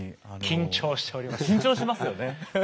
緊張しますよね。